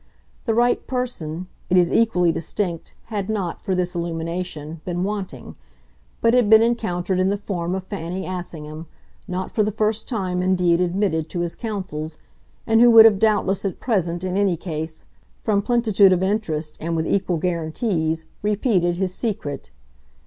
The right person it is equally distinct had not, for this illumination, been wanting, but had been encountered in the form of Fanny Assingham, not for the first time indeed admitted to his counsels, and who would have doubtless at present, in any case, from plenitude of interest and with equal guarantees, repeated his secret.